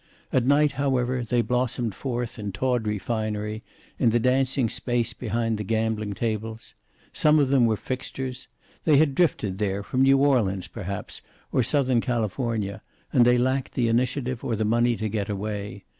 At night, however, they blossomed forth in tawdry finery, in the dancing space behind the gambling tables. Some of them were fixtures. They had drifted there from New Orleans, perhaps, or southern California, and they lacked the initiative or the money to get away.